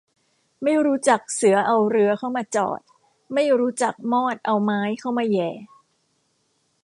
ไม่รู้จักเสือเอาเรือเข้ามาจอด ไม่รู้จักมอดเอาไม้เข้ามาแหย่